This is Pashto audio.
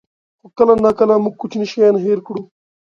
خو کله ناکله موږ کوچني شیان هېر کړو.